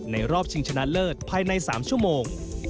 รอบชิงชนะเลิศภายใน๓ชั่วโมง